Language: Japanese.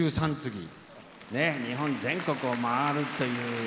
日本全国を回るという。